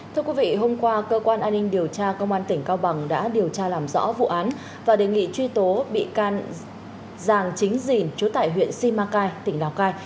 thưa quý vị hôm qua cơ quan an ninh điều tra công an tỉnh cao bằng đã điều tra làm rõ vụ án và đề nghị truy tố bị can giàng chính dìn chú tại huyện simacai tỉnh lào cai